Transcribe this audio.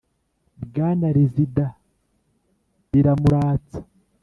bwana rezida biramuratsa